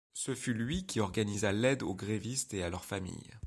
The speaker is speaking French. Ce fut lui qui organisa l'aide aux grévistes et à leurs familles.